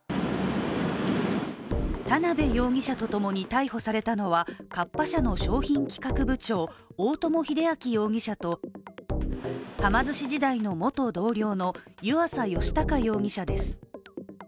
田辺容疑者と共に逮捕されたのはカッパ社の商品企画部長大友英昭容疑者とはま寿司時代の元同僚の湯浅宜孝容疑者です。